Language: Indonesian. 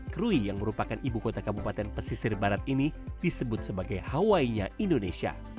krui yang merupakan ibu kota kabupaten pesisir barat ini disebut sebagai hawainya indonesia